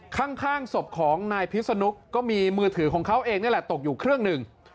ข้างศพของนายพิษนุก็มีมือถือของเขาเองนี่แหละตกอยู่เครื่องหนึ่ง